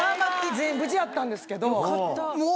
全員無事やったんですけどもう。